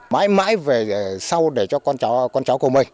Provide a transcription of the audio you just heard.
mãi mãi về sau để cho con cháu của mình